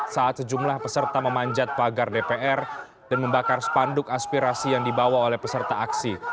saat sejumlah peserta memanjat pagar dpr dan membakar spanduk aspirasi yang dibawa oleh peserta aksi